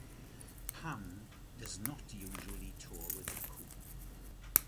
Pam does not usually tour with The Coup.